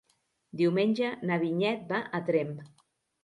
Diumenge na Vinyet va a Tremp.